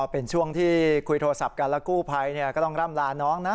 เป็นช่วงที่คุยโทรศัพท์กันแล้วกู้ภัยก็ต้องร่ำลาน้องนะ